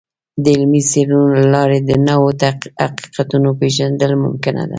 د علمي څیړنو له لارې د نوو حقیقتونو پیژندل ممکنه ده.